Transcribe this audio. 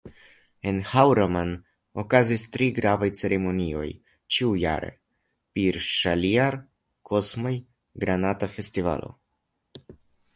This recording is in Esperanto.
En Haŭraman okazas tri gravaj ceremonioj ĉiujare: PirŜaliar - Komsaj - Granata Festivalo